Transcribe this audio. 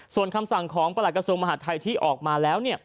ส่วนคำสั่งของประกาศมหาทัยที่ออกมาแล้ว